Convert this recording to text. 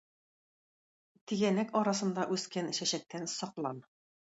Тигәнәк арасында үскән чәчәктән саклан.